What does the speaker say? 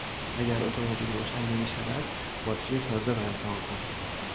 اگر اتومبیل روشن نمیشود، باتری تازه را امتحان کن.